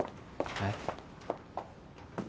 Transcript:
えっ？